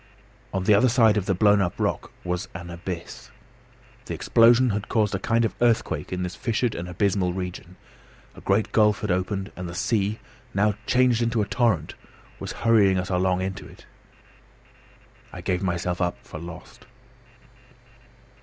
On the other side of the blown up rock was an abyss. The explosion had caused a kind of earthquake in this fissured and abysmal region; a great gulf had opened; and the sea, now changed into a torrent, was hurrying us along into it. I gave myself up for lost.